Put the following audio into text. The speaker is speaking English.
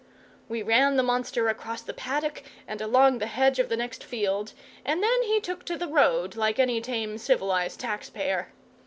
We ran the monster across the paddock and along the hedge of the next field, and then he took to the road like any tame civilized tax payer.